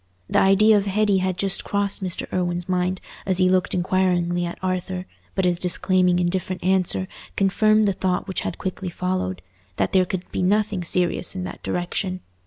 The idea of Hetty had just crossed Mr. Irwine's mind as he looked inquiringly at Arthur, but his disclaiming indifferent answer confirmed the thought which had quickly followed—that there could be nothing serious in that direction.